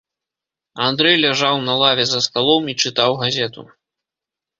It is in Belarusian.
Андрэй ляжаў на лаве за сталом і чытаў газету.